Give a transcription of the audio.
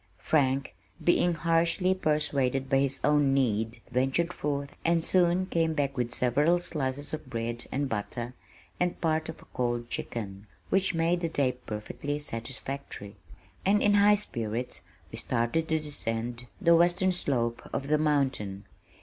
Frank being harshly persuaded by his own need, ventured forth and soon came back with several slices of bread and butter and part of a cold chicken, which made the day perfectly satisfactory, and in high spirits we started to descend the western slope of the mountain.